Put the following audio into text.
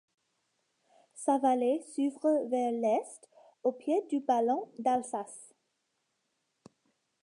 Sa vallée s'ouvre vers l'est au pied du Ballon d'Alsace.